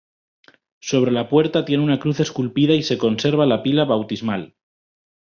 Sobre la puerta tiene una cruz esculpida y se conserva la pila bautismal.